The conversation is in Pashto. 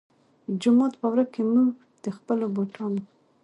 جومات پۀ ورۀ کښې مونږ د خپلو بوټانو